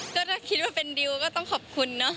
ก็ถ้าคิดว่าเป็นดิวก็ต้องขอบคุณเนาะ